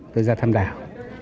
tôi ra thăm đảo